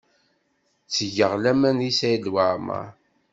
Ttgeɣ laman deg Saɛid Waɛmaṛ.